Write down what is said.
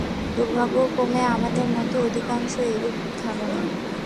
দুর্ভাগ্যক্রমে আমাদের মধ্যে অধিকাংশেরই এইরূপ ধারণা।